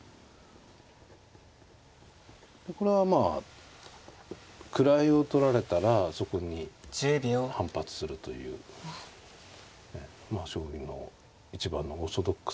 これはまあ位を取られたらそこに反発するというまあ将棋の一番のオーソドックスな考え方ですね。